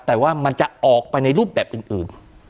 แต่ว่ามันจะออกไปในรูปแบบอื่น